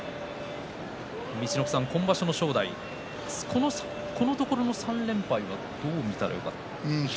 陸奥さん、今場所の正代このところの３連敗はどう見たらよかったですかね。